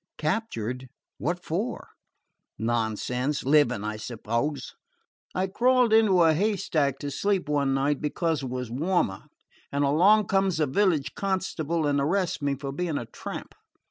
"Captured! What for?" "Nothing. Living, I suppose. I crawled into a haystack to sleep one night, because it was warmer, and along comes a village constable and arrests me for being a tramp.